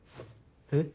えっ？